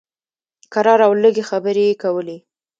کرار او لږې خبرې یې کولې.